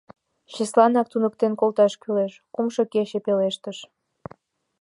— Чеслынак туныктен колташ кӱлеш... — кумшо каче пелештыш.